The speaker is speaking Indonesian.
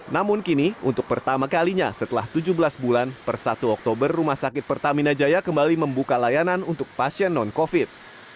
namun kini untuk pertama kalinya setelah tujuh belas bulan per satu oktober rumah sakit pertamina jaya kembali membuka layanan untuk pasien non covid